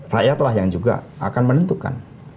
rakyatlah yang juga akan menentukan